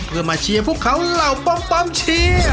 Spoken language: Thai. เพื่อมาเชียร์พวกเขาเหล่าป้อมเชียร์